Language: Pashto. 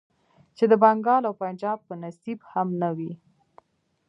چې د بنګال او پنجاب په نصيب هم نه وې.